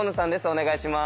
お願いします。